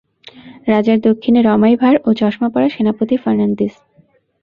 রাজার দক্ষিণে রমাই ভাঁড় ও চশমাপরা সেনাপতি ফর্নান্ডিজ।